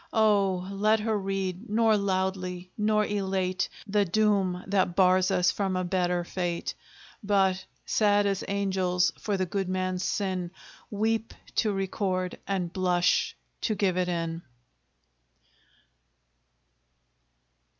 Oh! let her read, nor loudly, nor elate, The doom that bars us from a better fate; But, sad as angels for the good man's sin, Weep to record, and blush to give it in!